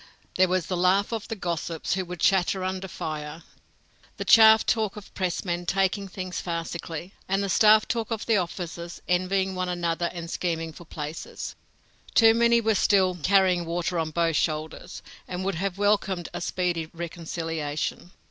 There was the laugh talk of the gossips, who would chatter under fire, the chaff talk of the press men taking things farcically, and the staff talk of the officers envying one another and scheming for places. Too many were still "carrying water on both shoulders," and would have welcomed a speedy reconciliation.